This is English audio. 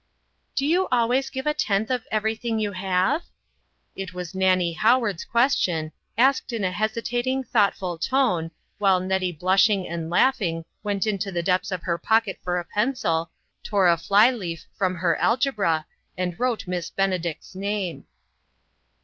" Do you always give a tenth of every thing you have?" It was Nannie Howard's question, asked in a hesitating, thoughtful tone, while Net tie blushing and laughing, went into the depths of her pocket for a pencil, tore a fly leaf from her algebra, and wrote Miss Benedict's name.